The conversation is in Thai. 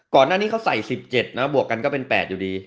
ก่อนหน้านี้เขาใส่๑๗นะบวกกันก็เป็น๘อยู่ดี